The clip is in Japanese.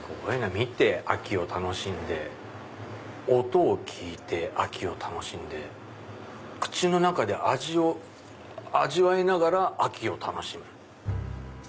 見て秋を楽しんで音を聞いて秋を楽しんで口の中で味を味わいながら秋を楽しむ。